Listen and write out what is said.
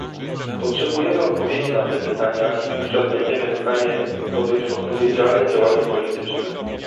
Potrzebujemy odpowiedzi na te pytania i wówczas będziemy w stanie podjąć odpowiedzialne działania polityczne